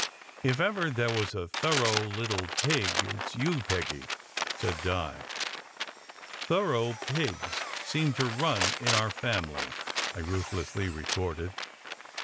"If ever there was a thorough little pig, it s you, Peggy," said Di. "Thorough pigs seem to run in our family," I ruthlessly retorted.